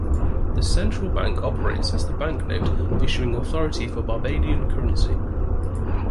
The Central Bank operates as the banknote issuing authority for Barbadian currency.